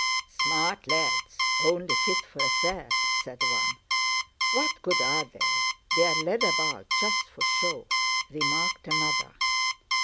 "Smart lads! Only fit for a fair!" said one. "What good are they? They're led about just for show!" remarked another.